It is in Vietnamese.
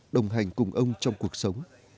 đồng hành cùng ông trong cuộc sống